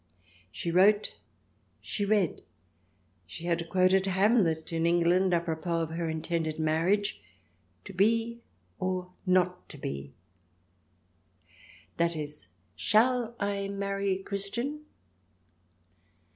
She wrote ; she read ; she had quoted Hamlet in England a propos of her intended marriage —" To be, or not to be !"— i.e.^ " Shall I marry Christian